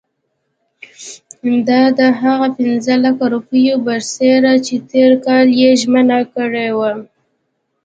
دا د هغه پنځه لکه روپیو برسېره چې تېر کال یې ژمنه کړې وه.